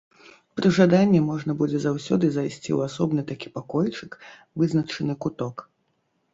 Пры жаданні можна будзе заўсёды зайсці ў асобны такі пакойчык, вызначаны куток.